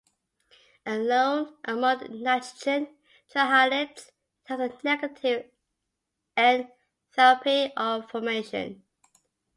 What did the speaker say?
Alone among the nitrogen trihalides it has a negative enthalpy of formation.